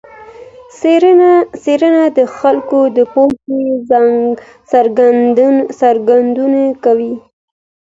څېړنه د خلګو د پوهي څرګندونه کوي.